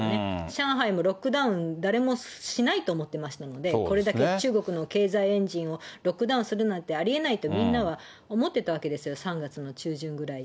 上海もロックダウン、誰もしないと思ってましたので、これだけ中国の経済エンジンをロックダウンするなんてありえないと、みんなは思ってたわけですよ、３月の中旬ぐらい。